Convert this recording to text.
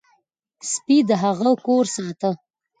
سپي د هغه کور ساته.